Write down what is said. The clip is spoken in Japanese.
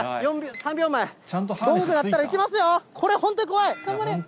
３秒前、ゴング鳴ったらいきますよ。